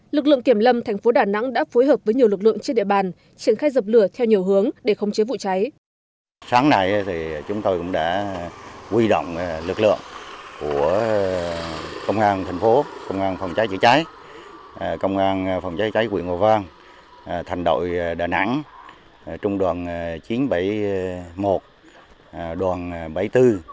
lực lượng kiểm lâm thành phố đà nẵng đã phối hợp với nhiều lực lượng trên địa bàn triển khai dập lửa theo nhiều hướng để không chế vụ cháy